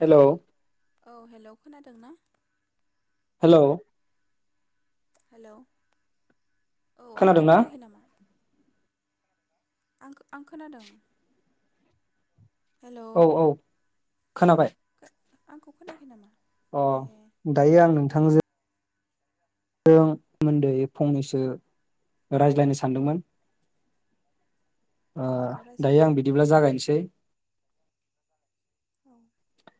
Hello औ hello खोनादों ना हेलौ हेलौ औ आंखौ खोनादोंना खोनायाखै नामा? आं-आं खोनादों। हेलौ औ औ खोनाबाय। आंखौ खोनायाखै नामा? अ ए दायो आं दे नोंथांजों जों सोमोन्दै फंनैसो रायज्लायनो सानदोंमोन। ओ औ दायो आं रायज्लायजागोन बिदिब्ला जागायनोसै औ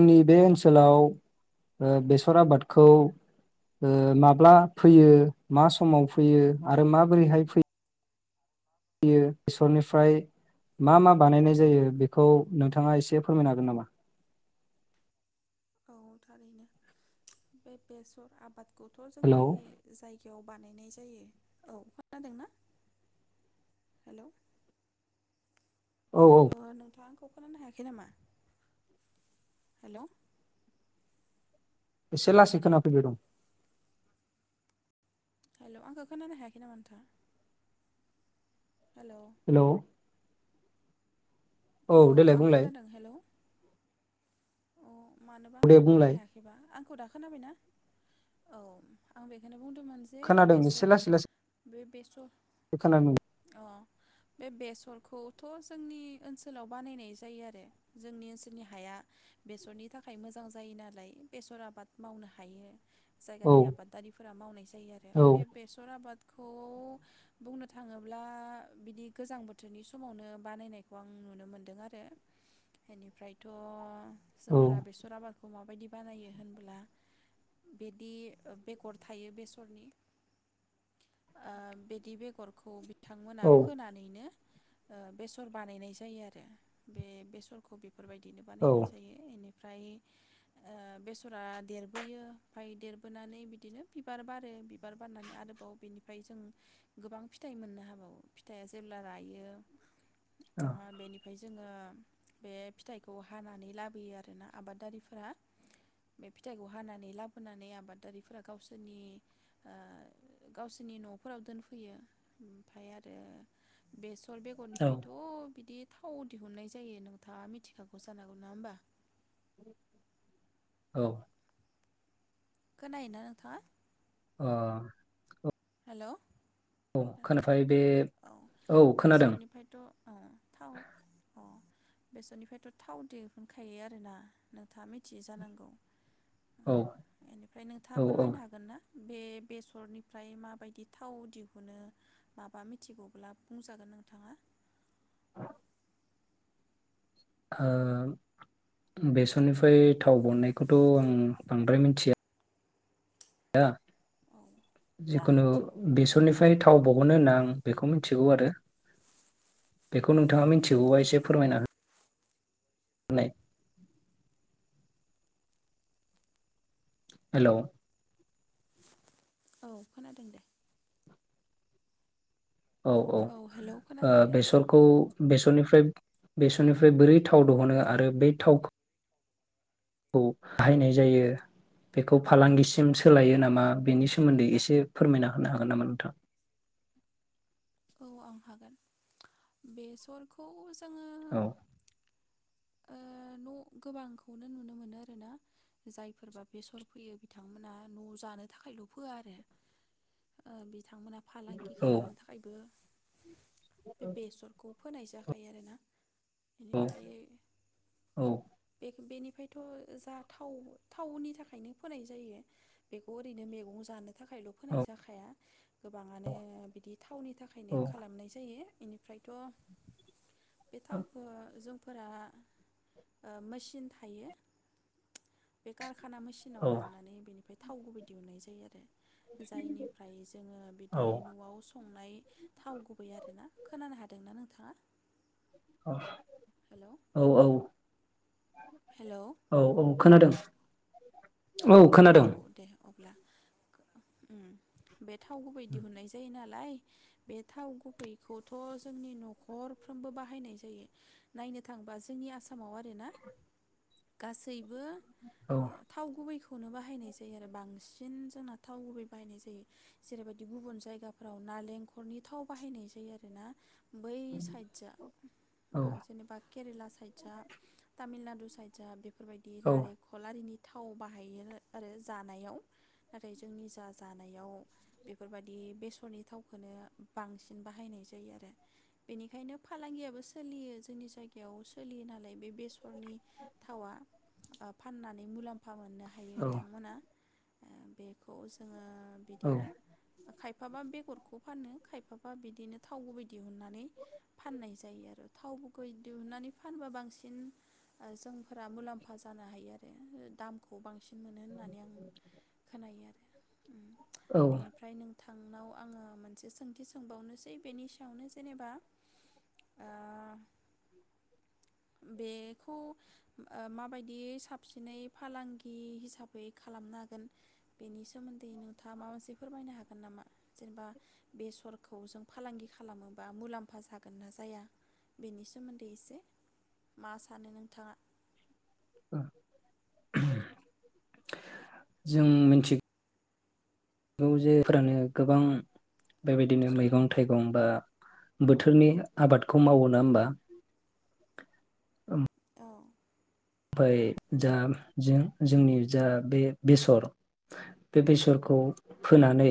जोंनि बे ओनसोलाव ओ बेसर आबादखौ ओ माब्ला फोयो मा समाव फोयो आरो माबोरैहाय फोयो यो बेसरनिफ्राय मा मा बानायनाय जायो बेखौ नोंथाङा एसे फोरमायनो हागोन नामा? औ थारैनो बे बेसर आबाद थ' जोंनि हेलौ जायगायाव बानायनाय जायो। औ अ खोनादोंना? हेलौ औ औ अ नोंथाङा आंखौ खोनानो हायाखै नामा? हेलौ एसे लासै खोनाफैबाय दं। हेल' आंखौ खोनानो हायाखै नामा नोंथां? हेलौ औ देलाय आं बुंलाय खोनादों हेलौ अ मानोबा दे आंखौ खोनानो बुंलाय हायाखैबा आं आंखौ दा खोनाबायना? औ आं बेखौनो बुं बुंदोंमोन जे खोनादों एसे बेसर लासै लासै बे बेसर खोनादों अ बे बेसर खौथ जोंनि ओनसोलाव बानायनाय जायो आरो जोंनि ओनसोलनि हाया बेसरनि थाखाय मोजां जायो नालाय बेसर आबाद मावनो हायो। औ जायगानि आबादारिफोरा मावनाय जायो आरो औ बे बेसर आबाद खौ बुंनो थाङोब्ला बिदि गोजां बोथोरनि समावनो बानायनायखौ आं नुनो मोनदों आरो बेनिफ्रायथ औ फोरा बेसराबा माबायदि बानायो होन बिदि बेगर थायो बेसरनि ओ बिदि बेगरखौ बिथांमोना औ फोनानैनो ओ बेसर बानायनाय जायो आरो बे बेसरखौ बेफोरबायदिनो बानायनाय औ जायो एनि फ्राय बेसरा देरबोयो ओमफ्राय देरबोनानै बिदिनो बिबार बारो बिबार बारनानै आरोबाव बिनिफ्राय जों गोबां फिथाइ मोननो हाबावो फिथाइआ जेब्ला रायो ओ बेनिफ्राय जोङो बे फिथाइखौ हानानै लाबोयो आरोना आबादारिफोरा बे फिथाइखौ हानानै लाबोनानै आबादारिफोरा गावसोरनि ओ गावसोरनि न'फोराव दोनफैयो ओमफ्राय आरो बे सर औ बेगरनिफ्रायथ बिदि थाव दिहुननाय जायो नोंथाङा मिथिखागौ जानांगौ नङा होमबा औ खोनायोना नोंथाङा अ हेल' औ खोनाफै बे औ खोनादों अ थाव अ बेसरनिफ्रायथ थाव दिहुनखायो आरोना नोंथाङा मिथियै जानांगौ औ बेनिफ्राय नोंथाङा औ ओ फोरमायनो हागोन ना बे बेसरनिफ्राय माबायदि थाव दिहुनो मा बा मिथिगौब्ला बुंजागोन नोंथाङा [unintelligible] ओ बेसरनिफ्राय थाव बननायखौथ आं बांद्राय मिथिया आ औ जा जिखुनु मिथिगौ बेखौनो बेसरनिफ्राय बुंजागोन थाव बहनो होनना आं बेखौ मि थिगौ आरो बेखौ नोंथाङा मिथिगौबा एसे फोरमायना नै हेल' औ खोनादों दे औ औ हेलौ ओ खोनादों दे आं बेसरखौ बेसरनिफ्राय बेसरनिफ्राय बोरै थाव दिहुनो आरो बे थावखौ खौ बाहायनाय जायो बेखौ फालांगिसिम सोलायो नामा बेनि सोमोन्दै एसे फोरमायना होनो हागोन नामा नोंथां? औ आं हागोन बेसरखौ जोङो औ ओ न गोबांखौनो नुनो मोनो आरोना जायफोरबा बेसर फैयो बिथांमोना न जानो थाखायल फोआ आरो ओ बिथांमोनहा फालांगि औ खालामनो थाखायबो बे बेसर कौ फोनाय जाखायो आरोना औ बेनिफ्राय औ बे बेनिफ्रायथ जा थाव थावनि थाखायनो फोनाय जायो बेखौ ओरैनो मैगं जानो थाखायल फोनाय जाखाया गोबाङानो बिदि थावनि थाखायनो औ खालामनाय जायो बेनिफ्रायथ बे थावखो जों फोरा ओ मेचिन थायो बे कारख खाना मेसिनाव औ लांनानै बेनि ओमफ्राय थाव गुबै दिहुननाय जायो आरो जायनिफ्राय जोङो बिदि नआव संनाय थाव गुबै आरोना खोनानो हादोंना नो थाङा औ औ औ हेलौ औ औ खोनादों [unintelligible] औ खोनादों ब्ला उम बे थाव गुबै दिहुननाय जायो नाल लाय बे थाव गुबैखौथ जोंनि नखरफ्रोमबो बाहायनाय जायो नायनो थांबा जोंनि आसामाव आरोना गासै बो औ थाव गुबैखौ नो बाहायनाय जायो आरो बा बांसिन जोंना थाव गुबै बाहायनाय जायो जेरैबायदि गुबुन जायगाफोराव नालेंखरनि थाव बाहायनाय जायो आरोना बै साइडजों औ ओ जेनेबा केरेला साइदजा तामिलनाडु साइडजा बे बेफोरबायदि नारेंखल आरिनि थाव बा बाहायो आरो जानायाव नाथाय जोंनि जा जानायाव बेफोरबायदि बेसरनि थावखोनो बांसिन बाहायनाय जायो आरो बेनिखायनो फालांगियाबो सोलियो जोंनि जायगायाव सोलियो नालाय बे बेसरनि थावा ओ फाननानै मुलाम्फा मोननो हायो औ बिथांमोना बेखौ जोङो। औ बिदिनो। खायफाबा बेगरखौ फानो खायफाबा बिदिनो थाव गुबै दिहुननानै फाननाय जायो आरो थाव गुबै दिहुननानै फानबा बांसिन जोंफोरा मुलाम्फा जानो हायो आरो दामखौ। बांसिन। मोनो होननानै आं खोनायो आरो। औ बेनिफ्राय नों। नोंथांनाव आं मोनसे सोंथि सोंबावनोसै बेनि सायावनो जेनेबा बे मायदि साबसिनै फालांगि। खि हिसाबै खालामनो हागोन बेनि सोमोन्दै नोंथाङा माबा मोनसे फोरमायनो हागोन नामा जेनेबा बेसरखौ जों फालांगि खालामोबा मुलाम्फा जागोन ना जाया बेनि सोमोन्दै एसे मा सानो नोंथाङा। [inaudible] जों मिथिगौ जायफोरानो गोबां। बेबायदिनो मैगं थाइगं बा। बोथोरनि आबादखौ मावो नङा होबा। ओं। ओमफ्राय जा जों जोंनि जा बे बेसर बे बेसरखौ फोनानै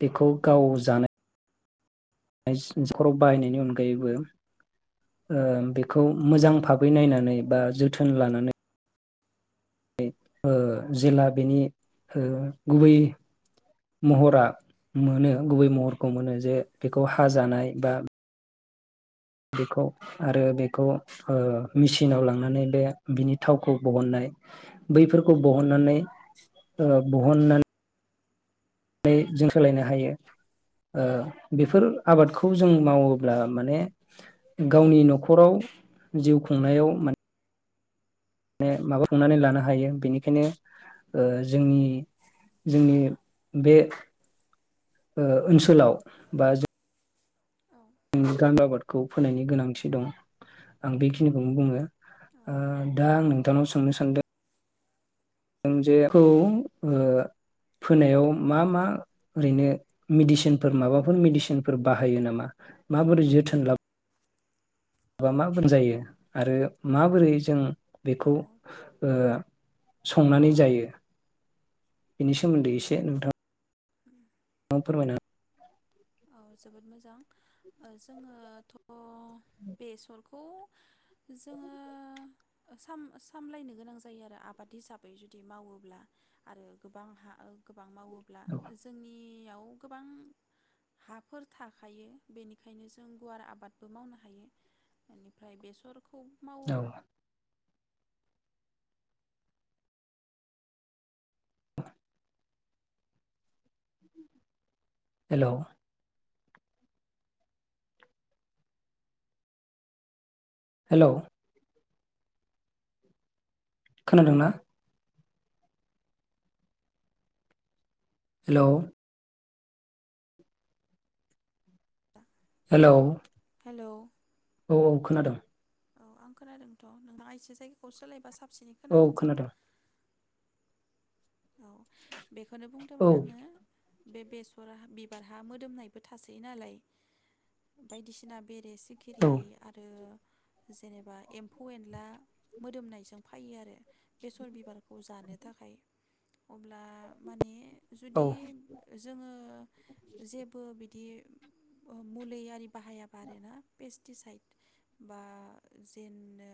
बेखौ गाव जानाय। खर बाहायनायनि अनगायैबो बेखौ मोजां भाबै नायनानै बा जोथोन लानानै। जेला बेनि गुबै महरा मोनो गुबै महरखौ मोनो जे बेखौ हा जानाय बा। बेखौ आरो बेखौ ओ मेसिनाव लांनानै बे बिनि थावखौ बहननाय बैफोरखौ बहननानै बहननानै। माने जों सोलायनो हायो बेफोर आबादखौ जों मावोब्ला माने गावनि न'खराव जिउ खुंनायाव माने। माने माबा खांनानै लानो हायो बेनिखायनो ओ जोंनि जोंनि बे ओनसोलाव बा जों। औ आंनि गामि आबादखौ फोनायनि गोनांथि दं आं बेखिनिखौनो बुङो। औ ओ दा आं नोंथांनाव। सोंनो सानदों। जों जेखौ फोनायाव मा मा ओरैनो मेडिसिनफोर माबाफोर मेडिसिनफोर बाहायो नामा माबोरै जोथोन लाबा। माबा माबोरै जायो आरो माबोरै जों। औ बेखौ। संनानै जायो बेनि सोमोन्दै एसे नोंथां। उम। फोरमायनो। औ जोबोद मोजां। जोङो। बेसरखौ। खौ। जोङो। सामलायनो गोनां जायो आरो आबाद हिसाबै जुदि मावोब्ला आरो गोबां हा। गोबां मावोब्ला जोंनि। याव गोबां। हाफोर थाखायो बेनिखायनो जों गुवार आबादबो मावनो हायो बेनिफ्राय बेसर। खौव औ औ मावोब्ला। [inaudible] हेलौ। हेलौ। खोनादों ना? हेलौ। हेलौ। हेलौ। औ औ खोनादों। औ आं खोनादोंथ नोंथाङा एसे जायगाखौ सोलायबा साफ सिनि औ खोनांगोन जां खोनादों औ। बेखौनो औ बुंदोंमोन आङो बे बेसर बिबारहा मोदोमनायबो थासै नालाय बायदिसिना बेरेेज औ सिखिरि आरो जेनेबा एम्फौ एनला मोदोमनायजों फैयो आरो बेसर बिबार खौ जानो थाखाय। अब्ला माने औ जुदि जोङो जेबो बिदि ओ मुलि आरि बाहायाबा आरो ना पेस्ट तिसाइद बा जेनो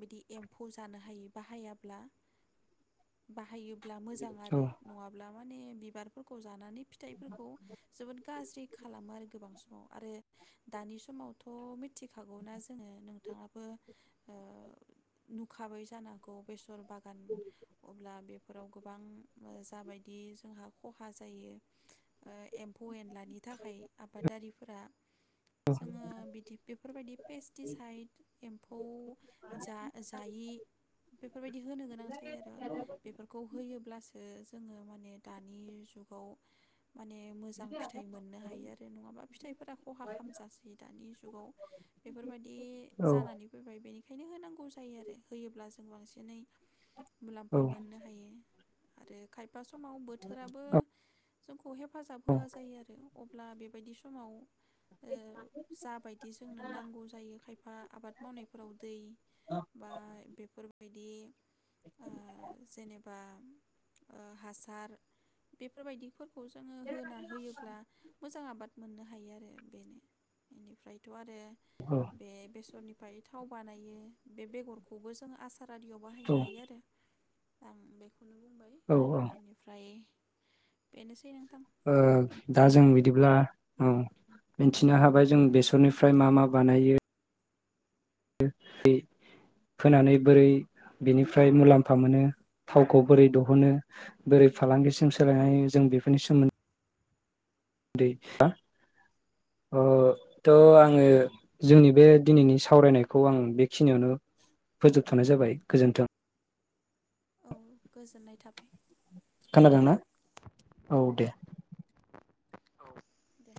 बिदि एम्फौ जानो हायि बाहायाब्ला बाहायो। ब्ला मोजां आरो नङाब्ला माने बिबारफोरखौ जानानै। फिथाइफोरखौ जोबोद गाज्रि खालामो आरो गोबां सम। आरो दानि समावथ। मिथिखागौ ना जोङो नोंथाङाबो ओ नुखाबै जानो हागौ बेसर बागान अब्ला बेफोराव गोबां जाबादि जोंहा खहा जायो ओ एम एम्फौ एन्लानि थाखाय आबादारिफोरा जोङो बिदि बेफोरबायदि पेस्टिसाइद एम्फौ जा-जायि बेफोरबायदि होनो गोनां जायो आरो। बेफोरखौ होयोब्लासो जोङो माने दानि जुगाव। माने मोजां फिथाइ मोननो हायो आरो नङाबा फिथाइफोरा खहा खालामजासै दानि जुगाव बेफोरबायदि औ जानानै फैबाय बे बेखायनो होनांगौ जायो आरो होयोब्ला जों बांसिनै मुला औ। आरो खाय दा समाव बोथोराबो। खौ हेफाजाब होआ जायो आरो। अब्ला बेबायदि समाव ओ जाबायदि जोंनो नांगौ जायो खायफा आबाद मावनायफोराव दै बा बेफोरबायदि ओ जेनेबा हासार बेफोरबायदिफोर खौ जोङो होना होयोब्ला मोजां आबाद मोननो हायो आरो बेनो इनिफ्रायथ' आरो औ बे बेसरनि फ्राय थाव बानायो बे बेगरखौबो जों आस र आरियाव बाहायनो हायो आरो आं बे खौनो बुंबाय। औ इनिफ्राय बेनोसै नों ओ दा जों बि दिब्ला औ, मिन थिनो हाबाय जों बेसरनिफ्राय मा आयदाखौ मा बानायो [unintelligible] फोनानै बोरै बिनिफ्राय मुलाम्फा मोनो थावखौ बोरै दहनो उम बोरै फालांगिसिम सोलायनाय जों बेफोरनि सोमोन दै बा ओ थ' नंगौ आङो जोंनि बे दिनैनि सावरायनायखौ आं बेखिनियावनो फोजोबथनाय जाबाय गोजोन्थों। औ गोजोननाय थाबाय। खोनादोंना? औ दे। दे